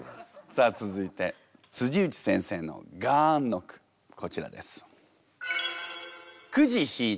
さあ続いて内先生の「ガーン」の句こちらです。